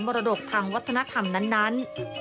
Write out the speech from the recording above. รดกทางวัฒนธรรมนั้น